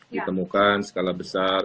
ditemukan skala besar